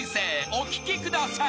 ［お聴きください］